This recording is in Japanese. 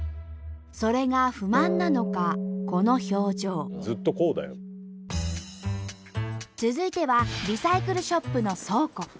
それが不満なのか続いてはリサイクルショップの倉庫。